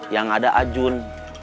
yang ada ajun